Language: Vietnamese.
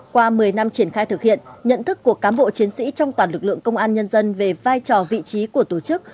qua một mươi năm triển khai thực hiện nhận thức của cám bộ chiến sĩ trong toàn lực lượng công an nhân dân về vai trò vị trí của tổ chức